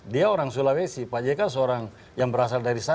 dia orang sulawesi pak jk seorang yang berasal dari sana